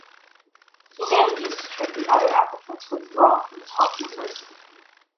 He manages to trick the other applicant to withdraw from the top University.